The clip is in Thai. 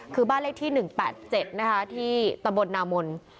คือบ้านเลขที่หนึ่งแปดเจ็ดนะคะที่ตะบลนามน